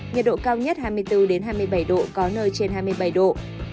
nhiệt độ cao nhất hai mươi bốn hai mươi bảy độ có nơi trên hai mươi bảy độ